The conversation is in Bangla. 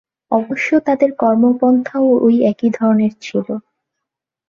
অবশ্য তাদের কর্মপন্থাও ঐ একই ধরনের ছিল।